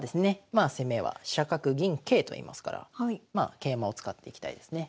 まあ攻めは飛車角銀桂といいますから桂馬を使っていきたいですね。